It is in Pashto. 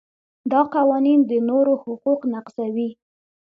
دا قوانین د نورو حقوق نقضوي.